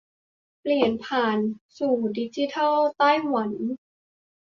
เปลี่ยนผ่านสู่ดิจิทัลของไต้หวัน